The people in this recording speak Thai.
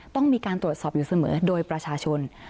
ต้องมีการตรวจสอบอยู่เสมอโดยประชาชน